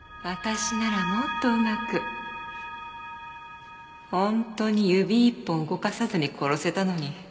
私ならもっとうまく本当に指一本動かさずに殺せたのに。